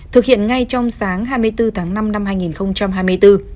thực hiện ngay trong sáng hai mươi bốn tháng năm năm hai nghìn hai mươi bốn